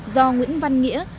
do nguyễn văn nghĩa